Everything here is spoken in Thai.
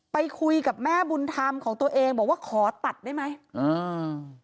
ไปคุยกับแม่บุญธรรมของตัวเองบอกว่าขอตัดได้ไหมอ่า